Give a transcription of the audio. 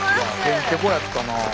へんてこやったなあ。